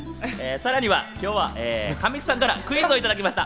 さらには今日は神木さんからクイズをいただきました。